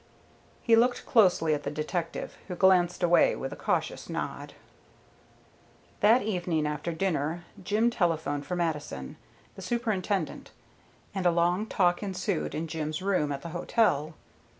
He looked closely at the detective, who glanced away with a cautious nod. That evening after dinner, Jim telephoned for Mattison, the Superintendent, and a long talk ensued in Jim's room at the hotel.